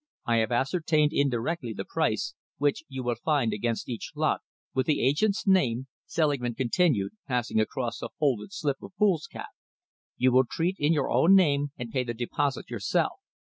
I have ascertained indirectly the price, which you will find against each lot, with the agent's name," Selingman continued, passing across a folded slip of foolscap. "You will treat in your own name and pay the deposit yourself.